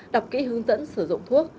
đọc kỹ hướng dẫn sử dụng thuốc